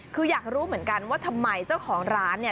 คืออยากรู้เหมือนกันว่าทำไมเจ้าของร้านเนี่ย